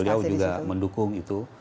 beliau juga mendukung itu